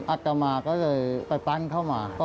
อัตมาก็เลยไปปั้นเข้ามา